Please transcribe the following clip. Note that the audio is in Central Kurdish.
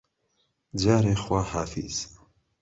جارێ خواحافیز